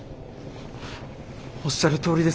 おっしゃるとおりです。